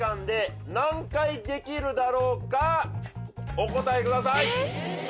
お答えください！